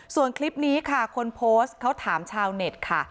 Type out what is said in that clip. ส่วนคลิปนี้ค่ะคนโพสต์เขาถามชาวเน็ตค่ะ